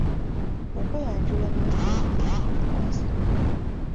Okweyanjula emirundi ebiri buli mwezi.